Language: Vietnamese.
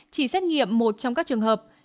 chỉ xét nghiệm một trong các trường hợp